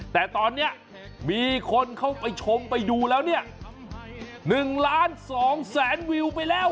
แต่ตอนนี้มีคนเข้าไปชมไปดูแล้วเนี่ย๑ล้าน๒แสนวิวไปแล้ว